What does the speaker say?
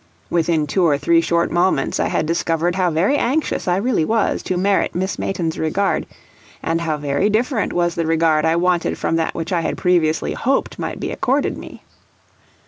Within two or three short moments I had discovered how very anxious I really was to merit Miss Mayton's regard, and how very different was the regard I wanted from that which I had previously hoped might be accorded me.